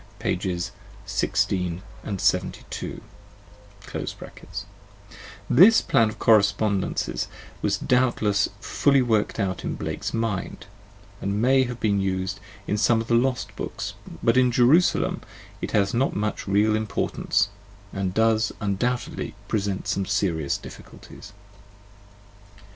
1 6 and 72): this plan of correspondences was doubtless fully worked out in Blake's mind, and may have been used in some of the lost books, but in "Jerusalem" it has not much real import ance, and does undoubtedly present some serious difficulties.